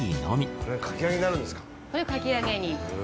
これかき揚げに。